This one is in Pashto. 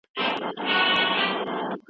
اسلام د سولې دین دی.